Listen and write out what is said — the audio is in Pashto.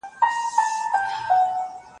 زه له سهاره کتابونه لوستل کوم.